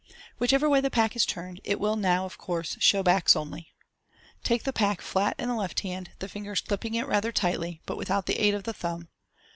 Whichever way the pack is turned, it will now, of course, show backs only. Take the pack flat in the left hand, the fingers clipping it rather tightly, but without the aid of the thumb.